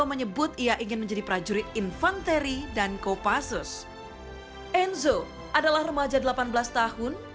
saya tinggal di normandy selama sepuluh tahun